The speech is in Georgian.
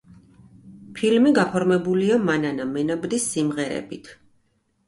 ფილმი გაფორმებულია მანანა მენაბდის სიმღერებით.